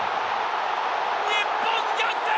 日本、逆転！